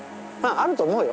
あると思うよ。